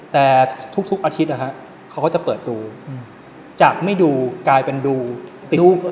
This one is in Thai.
แต่ทุกอาทิตย์นะฮะเขาก็จะเปิดดูจากไม่ดูกลายเป็นดูติด